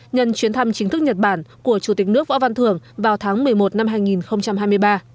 nhân chuyến thăm chính thức nhật bản của chủ tịch nước võ văn thưởng vào tháng một mươi một năm hai nghìn hai mươi ba